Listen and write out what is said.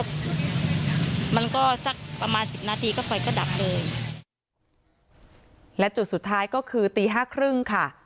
มันก็สักประมาณสิบนาทีก็ไฟก็ดับเลยและจุดสุดท้ายก็คือตีห้าครึ่งค่ะ